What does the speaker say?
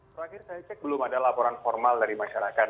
terakhir saya cek belum ada laporan formal dari masyarakat